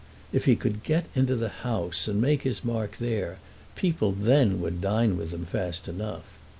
If he could get into the House and make his mark there people then would dine with him fast enough.